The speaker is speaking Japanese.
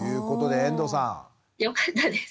よかったです。